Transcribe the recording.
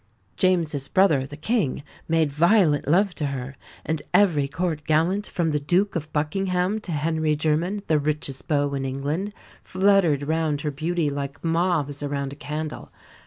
James's brother, the King, made violent love to her; and every Court gallant, from the Duke of Buckingham to Henry Jermyn, the richest beau in England, fluttered round her beauty like moths around a candle.